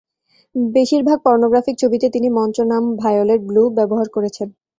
বেশিরভাগ পর্নোগ্রাফিক ছবিতে তিনি মঞ্চ নাম ভায়োলেট ব্লু ব্যবহার করেছেন।